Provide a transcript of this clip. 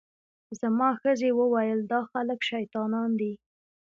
زما ښځې وویل چې دا خلک شیطانان دي.